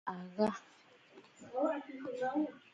Ghɛ̀ɛ mèʼe ntsàʼà jyâ.